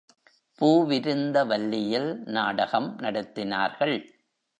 பூவிருந்தவல்லியில் நாடகம் நடத்தினார்கள்.